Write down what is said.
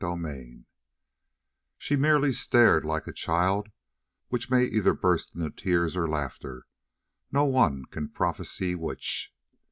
CHAPTER 32 She merely stared, like a child which may either burst into tears or laughter, no one can prophesy which.